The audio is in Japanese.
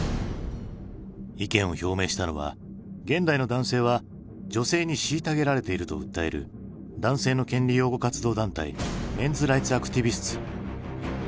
意見を表明したのは「現代の男性は女性に虐げられている」と訴える男性の権利擁護活動団体Ｍｅｎ’ｓＲｉｇｈｔｓＡｃｔｉｖｉｓｔｓ。